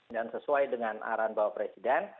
dan sesuai dengan arahan bapak presiden